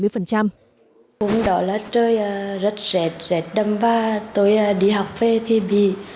vùng đỏ lá trời rất rệt rệt đầm và tôi đi học về thì bị